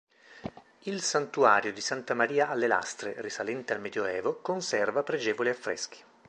Il santuario di Santa Maria alle Lastre risalente al medioevo conserva pregevoli affreschi.